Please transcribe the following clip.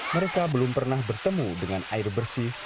mereka belum pernah bertemu dengan air bersih